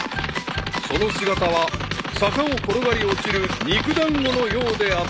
［その姿は坂を転がり落ちる肉団子のようであった］